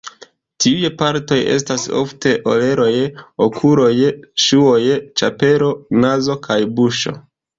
Tiuj partoj estas ofte oreloj, okuloj, ŝuoj, ĉapelo, nazo kaj buŝo.